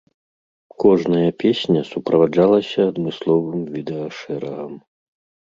Кожная песня суправаджалася адмысловым відэашэрагам.